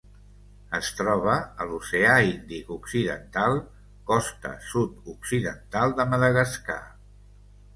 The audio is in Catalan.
Es troba a l'Oceà Índic occidental: costa sud-occidental de Madagascar.